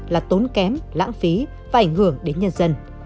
là tốn kém lãng phí và ảnh hưởng đến nhân dân